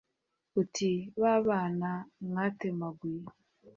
uti ba bana mwatemaguye